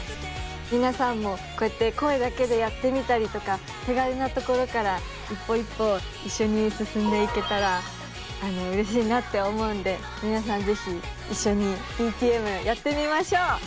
皆さんもこうやって声だけでやってみたりとか手軽なところから一歩一歩一緒に進んでいけたらうれしいなって思うんで皆さん是非一緒にＤＴＭやってみましょう！